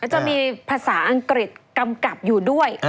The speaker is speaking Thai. จะมีภาษาอังกฤษกำกับอยู่ด้วย